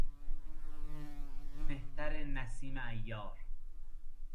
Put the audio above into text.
مهتر نسیم عیار